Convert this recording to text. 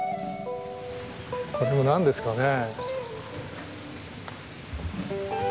これも何ですかね。